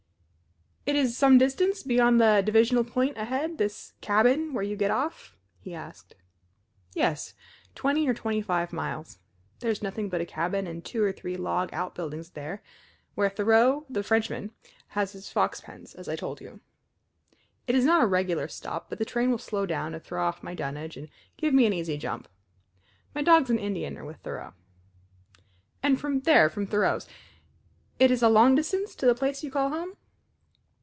"It is some distance beyond the divisional point ahead this cabin where you get off?" he asked. "Yes, twenty or twenty five miles. There is nothing but a cabin and two or three log outbuildings there where Thoreau, the Frenchman, has his fox pens, as I told you. It is not a regular stop, but the train will slow down to throw off my dunnage and give me an easy jump. My dogs and Indian are with Thoreau." "And from there from Thoreau's it is a long distance to the place you call home?"